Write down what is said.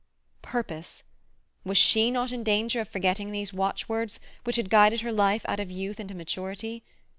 Purpose! Was she not in danger of forgetting these watchwords, which had guided her life out of youth into maturity?